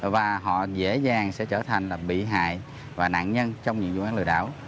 và họ dễ dàng sẽ trở thành bị hại và nạn nhân trong những vụ án lừa đảo